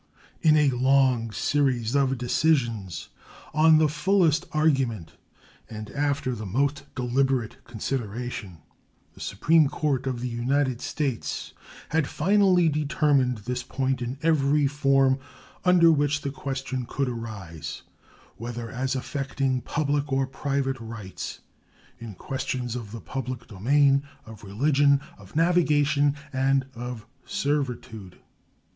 In a long series of decisions, on the fullest argument and after the most deliberate consideration, the Supreme Court of the United States had finally determined this point in every form under which the question could arise, whether as affecting public or private rights in questions of the public domain, of religion, of navigation, and of servitude.